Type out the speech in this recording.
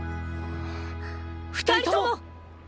２人とも！